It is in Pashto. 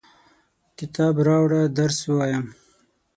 کتاب راوړه ، درس وایم!